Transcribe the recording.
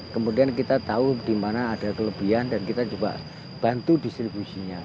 kemudian kita tahu di mana ada kelebihan dan kita coba bantu distribusinya